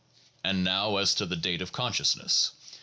And now as to the date of consciousness.